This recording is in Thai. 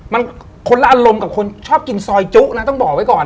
มันคนละอารมณ์กับคนชอบกินซอยจุนะต้องบอกไว้ก่อน